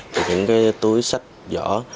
thì những cái túi sách vỏ